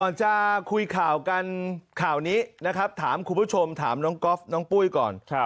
จะคุยข่าวกันข่าวนี้นะครับถามคุณผู้ชมถามน้องก๊อฟน้องปุ้ยก่อน